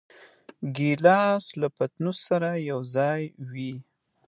ګیلاس له پتنوس سره یوځای وي.